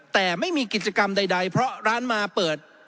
แต่ไม่มีกิจกรรมใดเพราะร้านมาเปิด